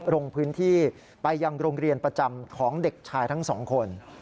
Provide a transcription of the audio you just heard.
ลงพื้นที่ไปยังโรงเรียนประจำของเด็กชายทั้งสองคน